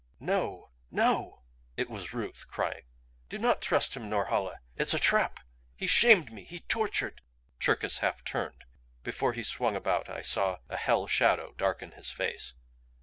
"No! No!" It was Ruth crying. "Do not trust him, Norhala! It's a trap! He shamed me he tortured " Cherkis half turned; before he swung about I saw a hell shadow darken his face.